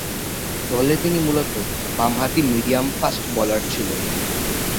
দলে তিনি মূলতঃ বামহাতি মিডিয়াম ফাস্ট বোলার ছিলেন।